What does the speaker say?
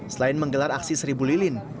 selain menggelar aksi seribu lilin